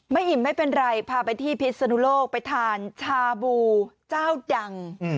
อิ่มไม่เป็นไรพาไปที่พิษนุโลกไปทานชาบูเจ้าดัง